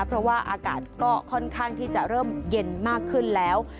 เพราะว่าอากาศก็ค่อนข้างที่จะเริ่มเย็นมากขึ้นแล้ว